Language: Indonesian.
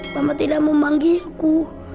mama tidak mau memanggilku